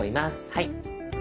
はい。